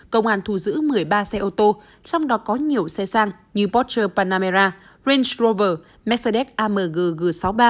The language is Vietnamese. công an thu giữ một mươi ba xe ô tô trong đó có nhiều xe sang như porsche panamera range rover mercedes amg g sáu mươi ba